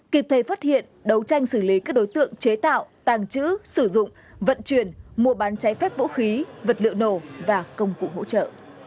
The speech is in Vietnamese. kịp thời phát hiện đấu tranh xử lý các đối tượng chế tạo tàng trữ sử dụng vận chuyển mua bán cháy phép vũ khí vật liệu nổ và công cụ hỗ trợ